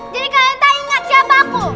jadi kalian tak ingat siapa aku